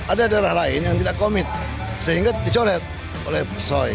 ada daerah lain yang tidak komit sehingga dicoret oleh soy